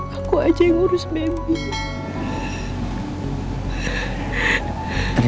aku aja yang urus bebe